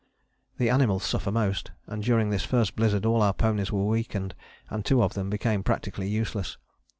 The animals suffer most, and during this first blizzard all our ponies were weakened, and two of them became practically useless.